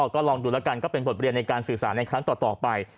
ก็ลองดูแล้วกันก็เป็นบทเรียนในการสื่อสารในครั้งต่อไป